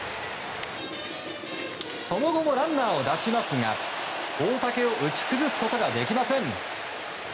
その後もランナーを出しますが大竹を打ち崩すことができません。